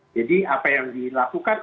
jadi apa yang dilakukan